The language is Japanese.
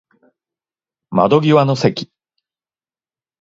窓際の席